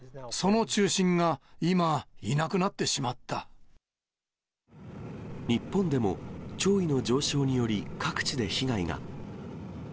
その中心が、今、いなくなってし日本でも潮位の上昇により、各地で被害が。